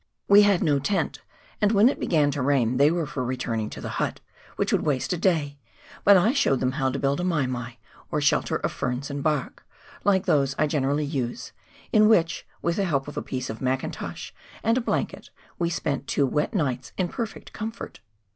We had no tent, and when it began to rain they were for returning to the hut, which would waste a day, but I showed them how to build a " mai mai," or shelter of ferns and bark — Kke those I generally use — in which, with the help of a piece of mackintosh and a blanket, we spent two wet nights in perfect comfort.